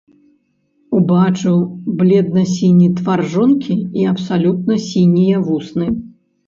Убачыў бледна-сіні твар жонкі і абсалютна сінія вусны.